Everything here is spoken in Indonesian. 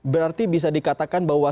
berarti bisa dikatakan bahwa